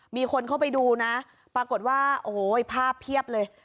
มีคนเข้าไปดูนะปรากฏว่าโอ้โหภาพเพียบเลย